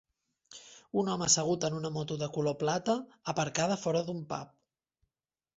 Un home assegut en una moto de color plata, aparcada fora d'un pub.